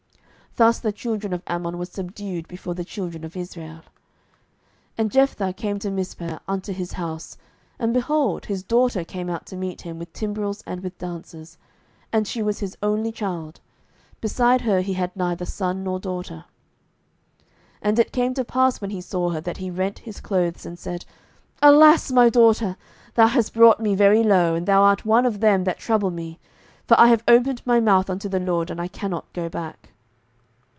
Thus the children of Ammon were subdued before the children of Israel. 07:011:034 And Jephthah came to Mizpeh unto his house, and, behold, his daughter came out to meet him with timbrels and with dances: and she was his only child; beside her he had neither son nor daughter. 07:011:035 And it came to pass, when he saw her, that he rent his clothes, and said, Alas, my daughter! thou hast brought me very low, and thou art one of them that trouble me: for I have opened my mouth unto the LORD, and I cannot go back.